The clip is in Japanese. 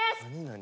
何？